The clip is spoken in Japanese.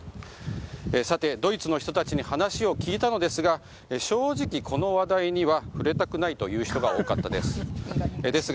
さて、ドイツの人たちに話を聞いたのですが正直、この話題には触れたくないという人が多かったです。